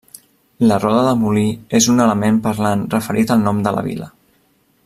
La roda de molí és un element parlant referit al nom de la vila.